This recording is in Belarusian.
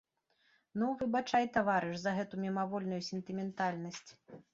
Ну, выбачай, таварыш, за гэту мімавольную сентыментальнасць.